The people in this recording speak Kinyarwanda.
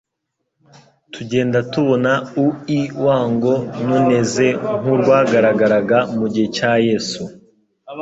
tugenda tubona ui-wango nuneze nk'urwagaragaraga mu gihe cya Yesu.